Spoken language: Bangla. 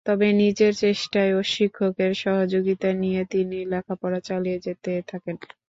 তবে নিজের চেষ্টায় এবং শিক্ষকদের সহযোগিতা নিয়ে তিনি লেখাপড়া চালিয়ে যেতে থাকেন।